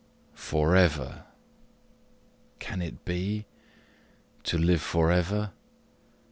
For ever! Can it be? to live for ever!